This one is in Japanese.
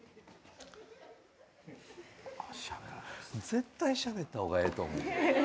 絶対しゃべった方がええと思う。